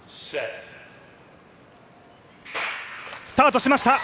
スタートしました。